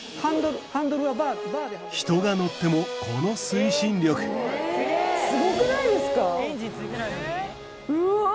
人が乗ってもこの推進力すごくないですか⁉うわ！